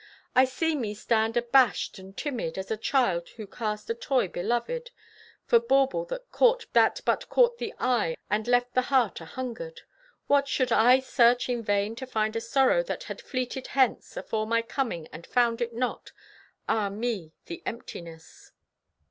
I see me stand abashed and timid, As a child who cast a toy beloved, For bauble that but caught the eye And left the heart ahungered. What! Should I search in vain To find a sorrow that had fleeted hence Afore my coming and found it not? Ah, me, the emptiness!